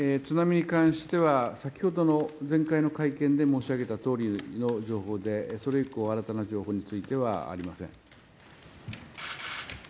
津波に関しては先ほどの前回の会見で申し上げたとおりの情報でそれ以降、新たな情報についてはありません。